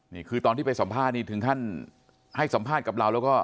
นี่คือตอนที่ไปสัมภาษณ์นี่ถึงขั้นให้สัมภาษณ์กับเราแล้วก็